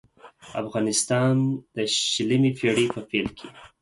افغانستان د شلمې پېړۍ په پېل کې.